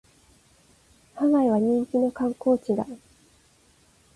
ハワイは人気の観光地だ